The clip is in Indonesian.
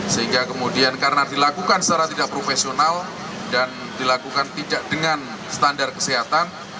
sehingga kemudian karena dilakukan secara tidak profesional dan dilakukan tidak dengan standar kesehatan